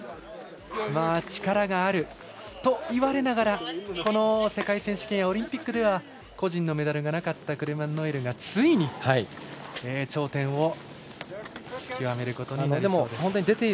力があるといわれながら世界選手権、オリンピックでは個人のメダルがなかったクレマン・ノエルがついに頂点を極めることになりそうです。